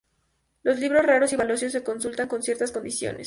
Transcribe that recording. Los libros raros y valiosos se consultan con ciertas condiciones.